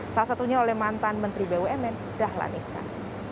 salah satunya oleh mantan menteri bumn dahlan iskan